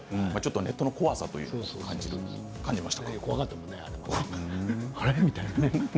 ネットの怖さも感じました。